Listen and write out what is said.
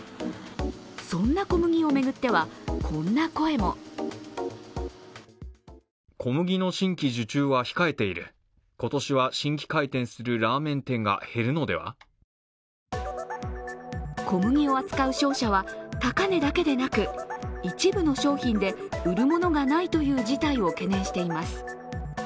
そんな小麦を巡ってはこんな声も小麦を扱う商社は高値だけでなく一部の商品で売るものがないという事態を懸念しています。